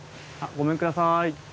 ごめんください。